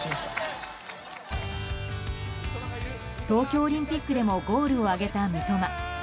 東京オリンピックでもゴールを挙げた三笘。